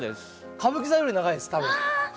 歌舞伎座より長いです多分花道。